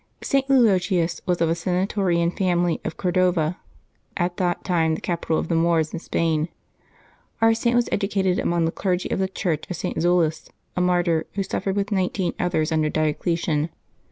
[t. Eulogius was of a senatorian family of Cordova, at that time the capital of the Moors in Spain. Our Saint was educated among the clergy of the Church of St. Zoilus, a martyr who suffered with nineteen others under Diocletian.